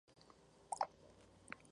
El mobiliario es escaso.